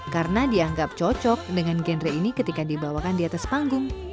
karena dianggap cocok dengan genre ini ketika dibawakan di atas panggung